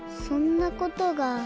そんなことが。